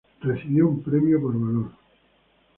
Recibió un premio por valor.